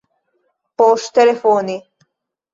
poŝtelefone